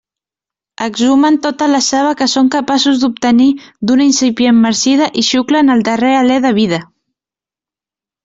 Exhumen tota la saba que són capaços d'obtenir d'una incipient marcida i xuclen el darrer alé de vida.